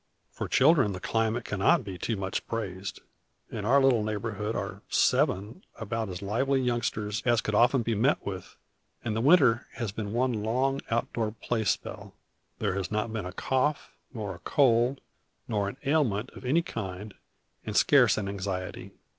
For children, the climate cannot be too much praised. In our little neighborhood are seven about as lively youngsters as could often be met with; and the winter has been one long out door play spell. There has not been a cough, nor a cold, nor an ailment of any kind, and scarce an anxiety.